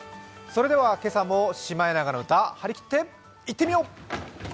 それでは今朝も「シマエナガの歌」張り切っていってみよう！